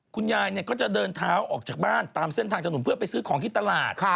คุณยายก็จะเดินเท้าออกจากบ้านตามเส้นทางถนนเพื่อไปซื้อของที่ตลาด